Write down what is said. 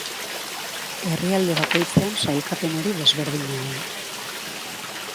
Herrialde bakoitzean sailkapen hori desberdina da.